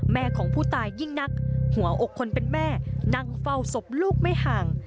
ของผู้ตายยิ่งนักหัวอกคนเป็นแม่นั่งเฝ้าศพลูกไม่ห่าง